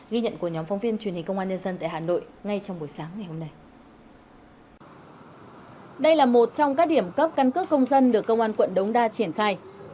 đây là một trong các điểm cấp căn cước công dân được công an quận đống đa triển khai